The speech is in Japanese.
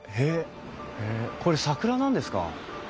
へえこれ桜なんですか。